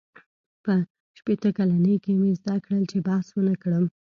• په شپېته کلنۍ کې مې زده کړل، چې بحث ونهکړم.